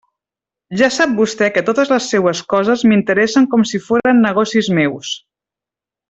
Ja sap vostè que totes les seues coses m'interessen com si foren negocis meus.